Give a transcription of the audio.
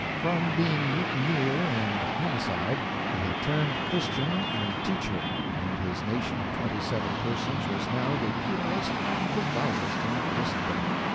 From being mutineer and homicide, he had turned Christian and teacher, and his nation of twenty seven persons was now the purest and devoutest in Christendom.